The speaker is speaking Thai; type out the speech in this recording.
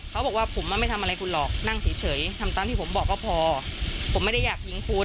เขาบอกว่าผมไม่ทำอะไรคุณหรอกนั่งเฉยทำตามที่ผมบอกก็พอผมไม่ได้อยากทิ้งคุณ